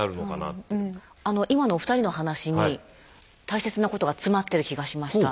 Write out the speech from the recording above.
今のお二人の話に大切なことが詰まってる気がしました。